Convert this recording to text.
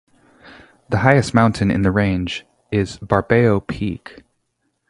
The highest mountain in the range is Barbeau Peak.